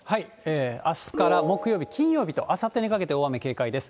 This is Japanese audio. あすから、木曜日、金曜日と、あさってにかけて大雨警戒です。